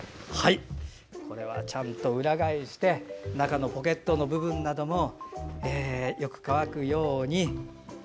これはちゃんと裏返して中のポケットの部分などよく乾くように。